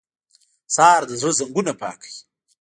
سهار د زړه زنګونه پاکوي.